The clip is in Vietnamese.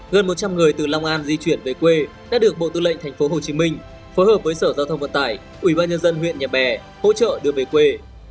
gần một trăm linh người từ long an di chuyển về quê đã được bộ tư lệnh tp hcm phối hợp với sở giao thông vận tải ủy ban nhân dân huyện nhà bè hỗ trợ đưa về quê